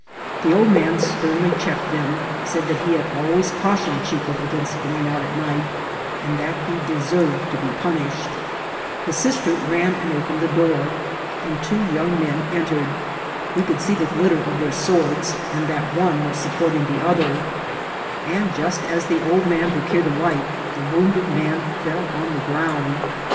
The old man sternly checked them, said that he had always cautioned Chico against going out at night, and that he deserved to be punished. The sis ter ran and <^ned the door, and two young men enter* ed. We could see the glitter of their swords, and that one was supporting the other ; and, just as the old man procured a light, the wounded man fell on the ground.